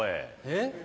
えっ？